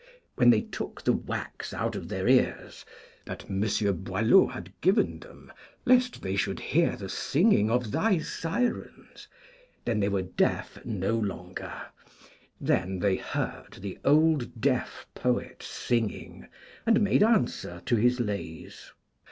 When they took the wax out of their ears that M. Boileau had given them lest they should hear the singing of thy Sirens, then they were deaf no longer, then they heard the old deaf poet singing and made answer to his lays.